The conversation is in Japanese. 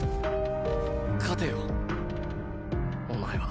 勝てよお前は。